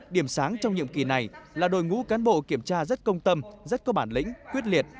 điểm sáng trong nhiệm kỳ này là đội ngũ cán bộ kiểm tra rất công tâm rất có bản lĩnh quyết liệt